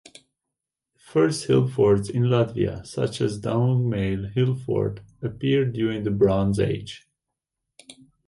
The first hillforts in Latvia, such as Daugmale hillfort, appeared during the Bronze Age.